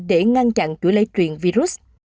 để ngăn chặn chuỗi lây truyền virus